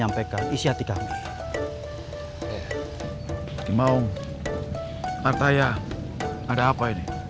ah begini dato